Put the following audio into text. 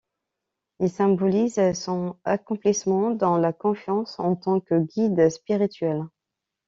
Il symbolise son accomplissement dans la confiance en tant que guide spirituel.